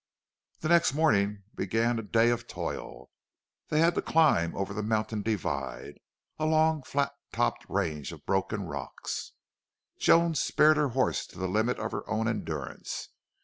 The next morning began a day of toil. They had to climb over the mountain divide, a long, flat topped range of broken rocks. Joan spared her horse to the limit of her own endurance.